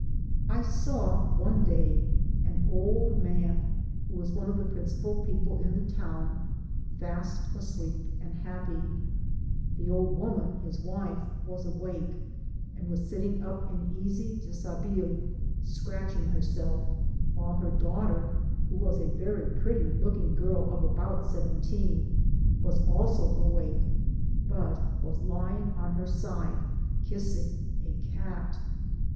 I saw one day an old man (who was one of the principal people in the town) fast asleep and happy • The old woman his wife was awake, and was sitting up in easy dishabille scratching herself, while her daughter, who was a very pretty looking girl of about seventeen, was also awake, but was lying on her side kissing a cat.